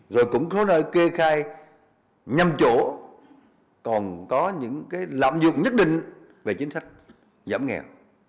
rồi cũng có nơi kê khai nhầm chỗ còn có những cái lạm dụng nhất định về chính sách giảm nghèo